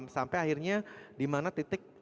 sampai akhirnya dimana titik